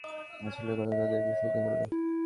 রাসূলের কথা তাদের বিস্মিত করল।